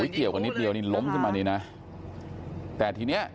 เกิดขึ้นก่อนนะครับ